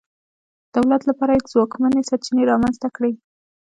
دولت لپاره یې ځواکمنې سرچینې رامنځته کړې.